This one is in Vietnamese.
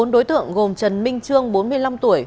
bốn đối tượng gồm trần minh trương bốn mươi năm tuổi